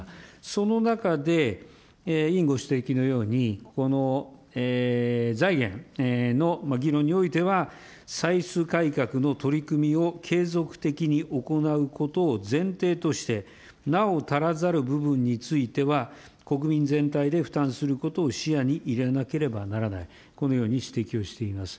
その中で、委員ご指摘のようにこの財源の議論においては、歳出改革の取り組みを継続的に行うことを前提として、なお足らざる部分については、国民全体で負担することを視野に入れなければならない、このように指摘をしています。